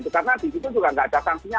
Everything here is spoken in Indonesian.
karena di situ juga nggak ada sanksinya